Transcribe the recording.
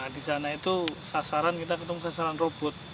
di sana itu sasaran kita ketemu sasaran robot